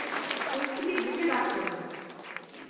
পরিস্থিতি বুঝে কাজ করো!